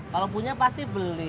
kalau punya pasti beli